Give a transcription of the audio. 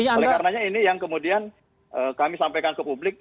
oleh karenanya ini yang kemudian kami sampaikan ke publik